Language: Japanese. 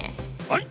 はい！